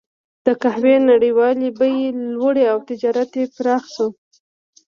د قهوې نړیوالې بیې لوړې او تجارت یې پراخ شو.